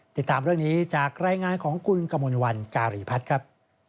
ติดตามเรื่องนี้จากรายงานของคุณกมลวันการีพัฒน์ครับ